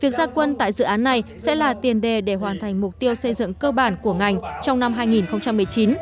việc gia quân tại dự án này sẽ là tiền đề để hoàn thành mục tiêu xây dựng cơ bản của ngành trong năm hai nghìn một mươi chín